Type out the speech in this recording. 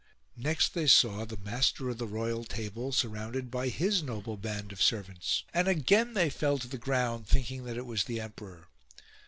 Next they saw the master of the royal table surrounded by his noble band of servants ; and again they fell to the ground thinking that it was the emperor.